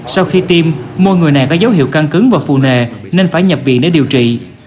sau khi tiêm một người này có dấu hiệu căn cứng và phù nề nên phải nhập viện để điều trị